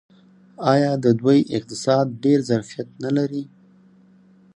آیا د دوی اقتصاد ډیر ظرفیت نلري؟